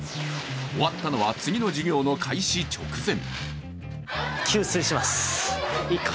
終わったのは次の授業の開始直前。